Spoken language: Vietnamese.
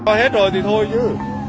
cho hết rồi thì thôi chứ